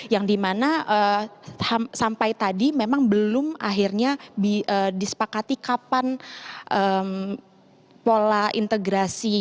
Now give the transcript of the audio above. yang dimana sampai tadi memang belum akhirnya disepakati kapan pola integrasi